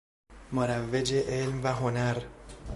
مروج علم و هنر